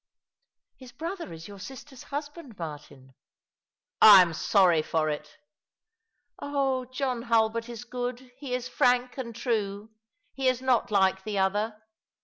" "His brother is your sister's husband, Martin? " I am sorry for it." *' Oh, John Hulbert is good ; he is frank and true. He is not like the other.